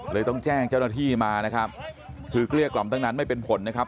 ต้องแจ้งเจ้าหน้าที่มานะครับคือเกลี้ยกล่อมตั้งนั้นไม่เป็นผลนะครับ